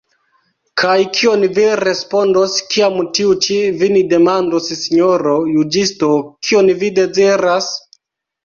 Kaj kion vi respondos, kiam tiu ĉi vin demandos sinjoro juĝisto, kion vi deziras?